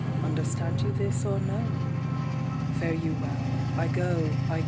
Understand you this, or no? Fare you well ! I go I go